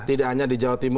tidak hanya di jawa timur